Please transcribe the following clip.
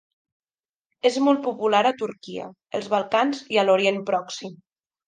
És molt popular a Turquia, els Balcans, i a l'Orient Pròxim.